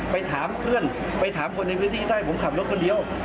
ไปถามเพื่อนไปถามคนในพื้นที่ได้ผมขับรถคนเดียว